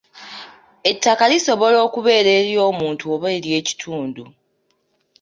Ettaka lisobola okubeera ery'omuntu oba ery'ekitundu.